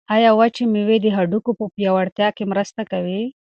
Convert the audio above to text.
آیا وچې مېوې د هډوکو په پیاوړتیا کې مرسته کوي؟